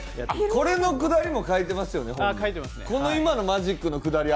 これのくだりも書いてますよね？